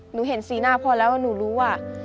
หนูเห็นสีหน้าพ่อแล้วหนูรู้ว่า